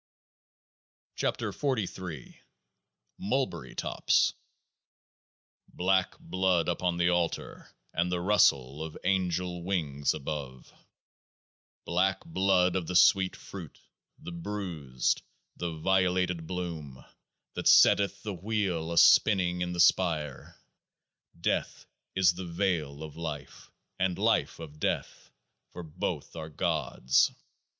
V. V. V. V. 53 KEOAAH Mr MULBERRY TOPS Black blood upon the altar ! and the rustle of angel wings above ! Black blood of the sweet fruit, the bruised, the violated bloom — that setteth The Wheel a spinning in the spire. Death is the veil of Life, and Life of Death ; for both are Gods.